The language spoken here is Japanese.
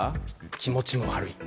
気持ち悪い。